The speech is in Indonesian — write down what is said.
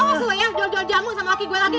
oh iya jual jual jamu sama laki laki